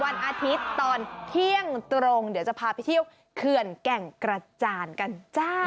วันอาทิตย์ตอนเที่ยงตรงเดี๋ยวจะพาไปเที่ยวเขื่อนแก่งกระจานกันจ้า